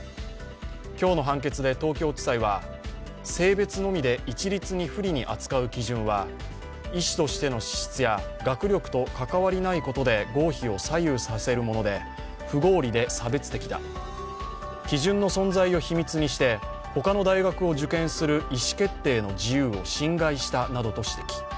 今日の判決で東京地裁は性別のみで一律に不利に扱う基準は医師としての資質や学力と関わりないことで合否を左右させるもので不合理で差別的だ基準の存在を秘密にして他の大学を受験する意思決定の自由を侵害したなどと指摘。